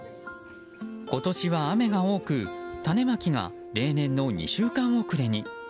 今年は雨が多く種まきが例年の２週間遅れに。